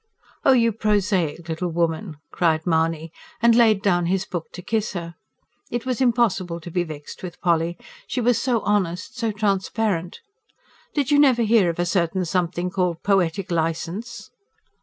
"Oh, you prosaic little woman!" cried Mahony, and laid down his book to kiss her. It was impossible to be vexed with Polly: she was so honest, so transparent. "Did you never hear of a certain something called poetic licence?"